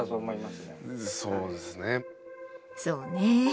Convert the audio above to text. そうねえ。